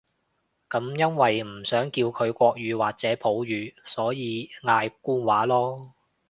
噉因為唔想叫佢國語或者普語，所以嗌官話囉